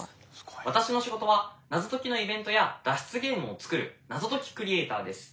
私の仕事は謎解きのイベントや脱出ゲームを作る謎解きクリエイターです。